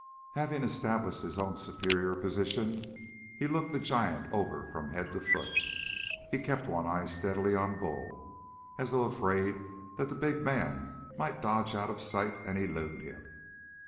Having established his own superior position, he looked the giant over from head to foot. He kept one eye steadily on Bull, as though afraid that the big man might dodge out of sight and elude him.